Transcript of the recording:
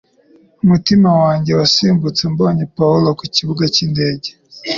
Umutima wanjye wasimbutse mbonye Pawulo ku kibuga cy'indege